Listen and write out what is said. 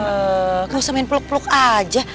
nggak usah main peluk peluk aja